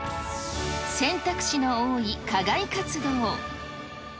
選択肢の多い課外活動。